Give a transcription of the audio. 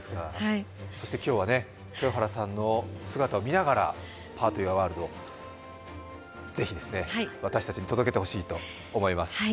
今日は豊原さんの姿を見ながら、「パート・オブ・ユア・ワールド」ぜひ私たちに届けてほしいと思います。